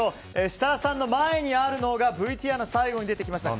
設楽さんの前にあるのがＶＴＲの最後に出てきました